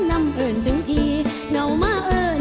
น้ำเอิญถึงทีเหนามาเอิญ